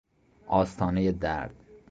آستانهی درد